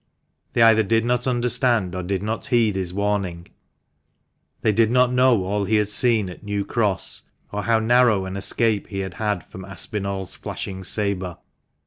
They either did not understand, or did not heed his warning. They did not know all he had seen at New Cross, or how narrow an escape he had had from Aspinall's flashing sabre.